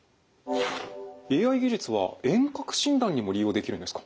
ＡＩ技術は遠隔診断にも利用できるんですか？